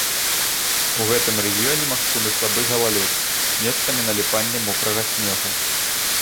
У гэтым рэгіёне магчымы слабы галалёд, месцамі наліпанне мокрага снегу.